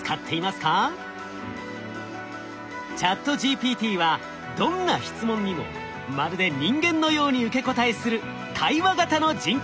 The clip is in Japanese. ＣｈａｔＧＰＴはどんな質問にもまるで人間のように受け答えする対話型の人工知能。